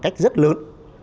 cách rất lớn